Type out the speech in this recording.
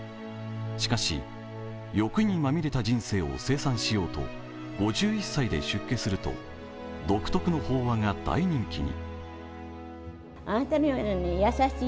しかし、欲にまみれた人生を清算しようと、５１歳で出家すると独特の法話が大人気に。